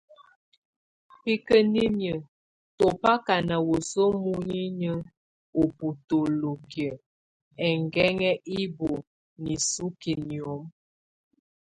Bikəniniə́ tɔ baka na wəsu muinəniə ubotolokiə enguenŋɛ ibóo nisuki niom.